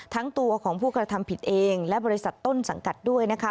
ทั้งตัวของผู้กระทำผิดเองและบริษัทต้นสังกัดด้วยนะคะ